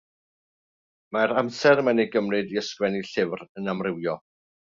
Mae'r amser mae'n ei gymryd i ysgrifennu llyfr yn amrywio.